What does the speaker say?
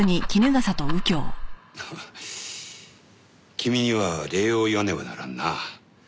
君には礼を言わねばならんな。